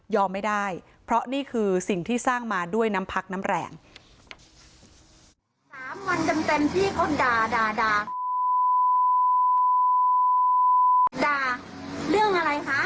ไม่ได้เพราะนี่คือสิ่งที่สร้างมาด้วยน้ำพักน้ำแรง